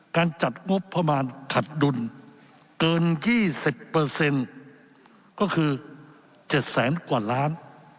จัดงบประมาณขัดดุลเกิน๒๐ก็คือ๗แสนกว่าล้าน